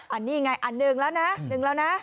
อันนี้ไงอันนี้ไงอันหนึ่งแล้วนะ